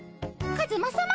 カズマさま